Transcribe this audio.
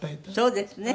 そうですね。